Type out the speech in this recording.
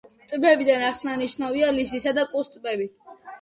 ტბებიდან აღსანიშნავია ლისისა და კუს ტბები.